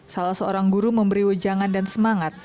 salah seorang guru memberi wejangan dan semangat